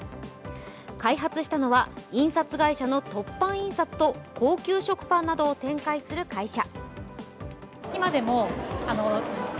開発したのは印刷会社の凸版印刷と高級食パンなどを展開する会社。